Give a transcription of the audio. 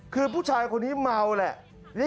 คือผู้ชายคนนี้เมาแหละ